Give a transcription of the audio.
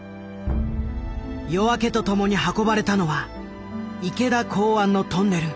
夜明けとともに運ばれたのは池田考案のトンネル。